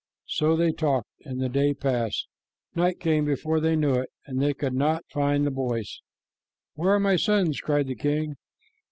So they talked, and the day passed. Night came before they knew it, and they could not find the boys. "Where are my sons?" cried the king.